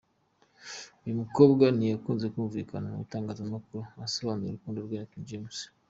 Uyu mukobwa ntiyakunze kumvikana mu itangazamakuru asobanura urukundo rwe na King James.